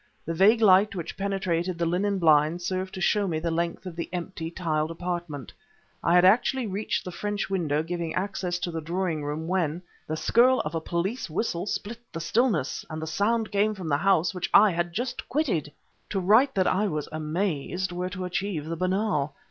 The vague light which penetrated the linen blinds served to show me the length of the empty, tiled apartment. I had actually reached the French window giving access to the drawing room, when the skirl of a police whistle split the stillness ... and the sound came from the house which I had just quitted! To write that I was amazed were to achieve the banal.